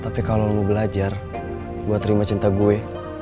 tapi kalo lo mau belajar gue terima cinta gue